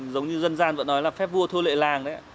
giống như dân gian vẫn nói là phép vua thô lệ làng đấy